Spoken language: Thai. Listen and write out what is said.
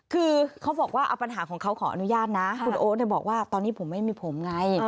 คือเขาบอกว่าเอาปัญหาของเขาขออนุญาตนะคุณโอ๊ตบอกว่าตอนนี้ผมไม่มีผมไง